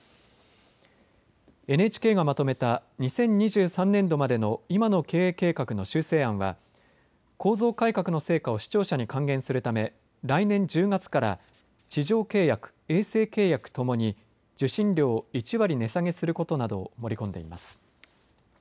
ＮＨＫがまとめた２０２３年度までの今の経営計画の修正案は構造改革の成果を視聴者に還元するため来年１０月から地上契約、衛星契約ともに受信料を１割値下げすることなどを盛り込んでいます。